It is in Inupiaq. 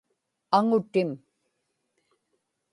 aŋutim